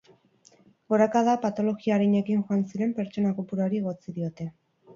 Gorakada, patologia arinekin joan ziren pertsona kopuruari egotzi diote.